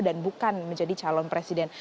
dan bukan menjadi calon presiden